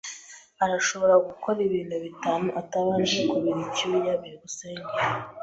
Arashobora gukora ibintu bitanu atabanje kubira icyuya. byukusenge